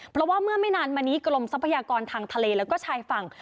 เพราะว่าเมื่อไม่นานมานี้กรมทรัพยากรทางทะเลแล้วก็ชายฝั่ง